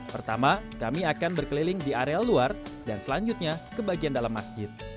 pertama kami akan berkeliling di area luar dan selanjutnya ke bagian dalam masjid